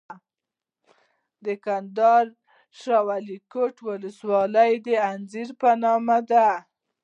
د کندهار شاولیکوټ ولسوالۍ انځر په نام دي.